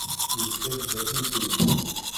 Yezga sdat n uselkim.